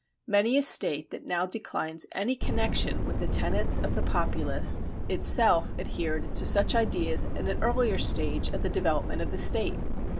Many a State that now declines any connection with the tenets of the Populists, itself adhered to such ideas in an earlier stage of the development of the State.